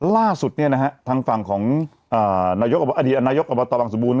ล่าสุดเนี่ยนะฮะทางฝั่งของอ่านายกอดีตนายกอบตบางสมบูรณ์